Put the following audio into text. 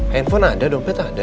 handphone ada dompet ada